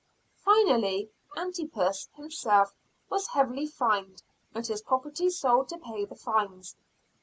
Finally, Antipas himself was heavily fined, and his property sold to pay the fines.